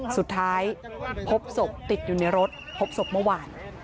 สุดท้ายพบศพติดอยู่ในรถพบศพเมื่อวาน